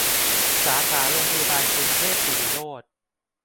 สาขาโรงพยาบาลกรุงเทพสิริโรจน์